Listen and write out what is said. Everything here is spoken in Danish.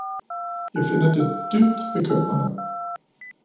Jeg finder det dybt bekymrende.